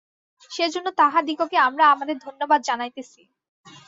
সেজন্য তাঁহাদিগকে আমরা আমাদের ধন্যবাদ জানাইতেছি।